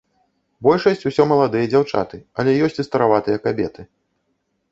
Большасць усё маладыя дзяўчаты, але ёсць і стараватыя кабеты.